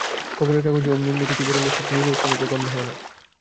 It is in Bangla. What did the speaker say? খবরের কাগজে অমনি অমনি কিছু বেরুলে সেটি নিদর্শনরূপে গণ্য হয় না।